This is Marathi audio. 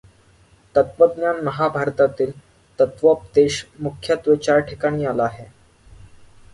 तत्त्वज्ञान महाभारतातील तत्त्वोपदेश मुख्यत्वे चार ठिकाणी आला आहे.